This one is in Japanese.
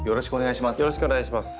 よろしくお願いします。